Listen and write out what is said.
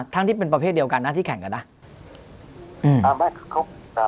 ทั้งที่เป็นประเภทเดียวกันนะที่แข่งกันนะอืมอ่าไม่คือเขา